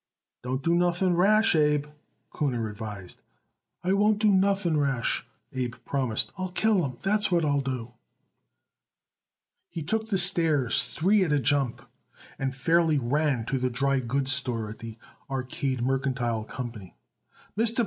"Don't do nothing rash, Abe," Kuhner advised. "I won't do nothing rash," Abe promised. "I'll kill him, that's what I'll do." He took the stairs three at a jump and fairly ran to the dry goods store of the Arcade Mercantile Company. "Mr.